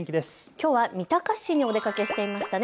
きょうは三鷹市にお出かけしていましたね。